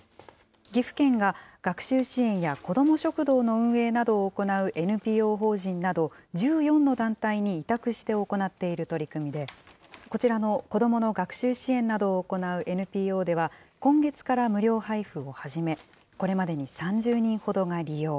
岐阜県が学習支援や子ども食堂の運営などを行うＮＰＯ法人など１４の団体に委託して行っている取り組みで、こちらの子どもの学習支援などを行うＮＰＯでは、今月から無料配布を始め、これまでに３０人ほどが利用。